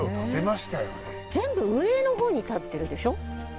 全部上の方に建ってるでしょ。